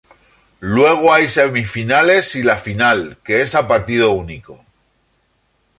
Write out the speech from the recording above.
Luego hay semifinales y la final, que es a partido único.